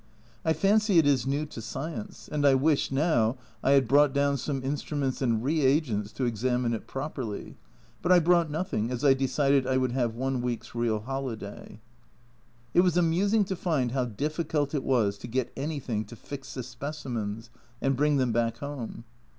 I fancy it is new to science, and I wish now I had brought down some instruments and reagents to examine it properly, but I brought nothing as I decided I would have one week's real holiday. It was amusing to find how difficult it was to get anything to fix the specimens and bring them back home.